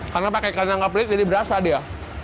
karena pakai kandang kapelit jadi berasa dia